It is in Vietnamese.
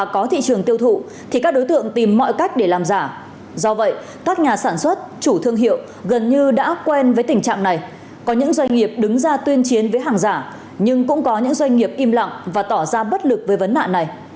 có những doanh nghiệp đứng ra tuyên chiến với hàng giả nhưng cũng có những doanh nghiệp im lặng và tỏ ra bất lực với vấn nạn này